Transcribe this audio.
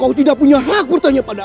kau tidak punya hak bertanya pada